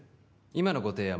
今のご提案